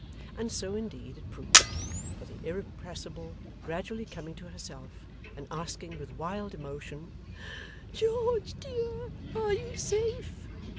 And so, indeed, it proved, for the Irrepressible gradually coming to herself; and asking with wild emotion, 'George dear, are you safe?